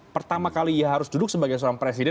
pertama kali ia harus duduk sebagai seorang presiden